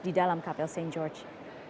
di dalam kapel st george